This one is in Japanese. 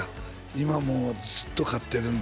今もうずっと勝ってるんで」